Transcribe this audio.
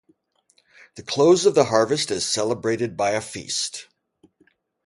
The close of the harvest is celebrated by a feast.